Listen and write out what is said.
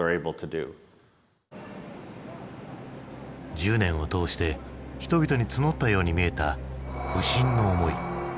１０年を通して人々に募ったように見えた不信の思い。